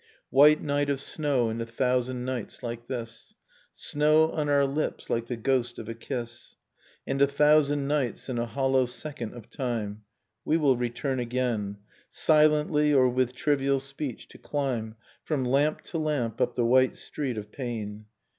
White night of snow, and a thousand nights like this ; Snow on our lips like the ghost of a kiss; ! And a thousand nights in a hollow second of time j We will return again, ' Silently, or with trivial speech, to climb j From lamp to lamp up the white street of pain.